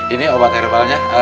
ini obat herbalnya